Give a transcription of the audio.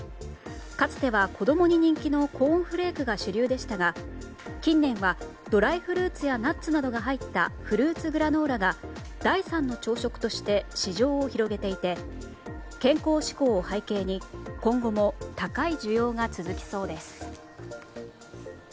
かつては子供に人気のコーンフレークが主流でしたが近年はドライフルーツやナッツなどが入ったフルーツグラノーラが第三の朝食として市場を広げていて健康志向を背景に今後も高い需要が続きそうです。